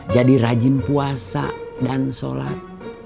jadi rajin puasa dan sholat